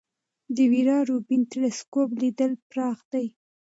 د ویرا روبین ټیلسکوپ لید پراخ دی.